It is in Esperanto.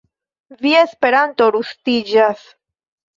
Via Esperanto rustiĝas.